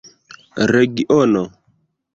regiono